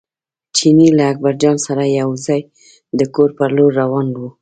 چیني له اکبرجان سره یو ځای د کور پر لور روان و.